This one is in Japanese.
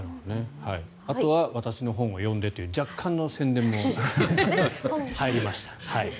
あとは私の本を読んでという若干の宣伝も入りました。